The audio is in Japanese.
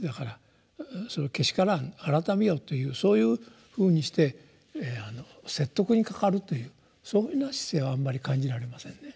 改めよ」というそういうふうにして説得にかかるというそいうふうな姿勢はあんまり感じられませんね。